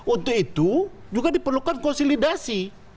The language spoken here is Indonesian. untuk itu juga diperlukan konsolidasi